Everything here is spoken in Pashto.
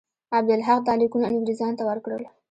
عبدالحق دا لیکونه انګرېزانو ته ورکړل.